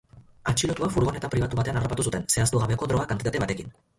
Atxilotua furgonetan pribatu batean harrapatu zuten, zehaztu gabeko droga kantitate batekin.